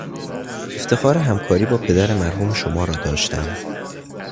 افتخار همکاری با پدر مرحوم شما را داشتم.